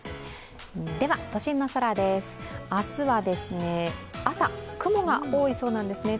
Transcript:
では、都心の空です、明日は朝、雲が多いそうなんですね。